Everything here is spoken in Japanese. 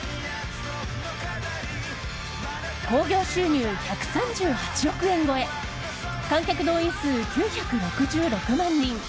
興行収入１３８億円超え観客動員数９６６万人。